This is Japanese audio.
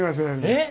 えっ！